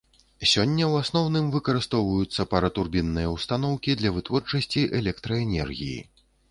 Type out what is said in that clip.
Сёння ў асноўным выкарыстоўваюцца паратурбінныя ўстаноўкі для вытворчасці электраэнергіі.